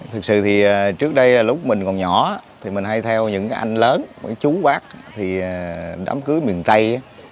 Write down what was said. thực sự thì trước đây lúc mình còn nhỏ mình hay theo những anh lớn chú bác đám cưới miền tây